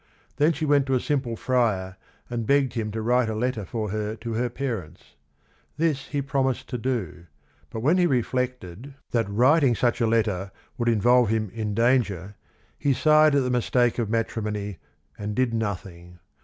Then she went to a simple friar and begged him to write a letter for her to her parents. This he promised to do, but when he reflected that writ THE OTHER HALF ROME 33 ing such a letter would involve him in danger, he sighed at the mistake of matrimony and did nothing.